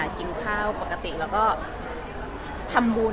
กินข้าวปกติแล้วก็ทำบุญ